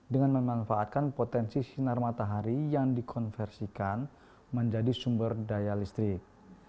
dengan memanfaatkan potensi sinar matahari yang dikonversikan menjadi sumber daya listrik